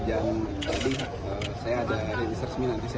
dan tadi saya ada ini resmi nanti saya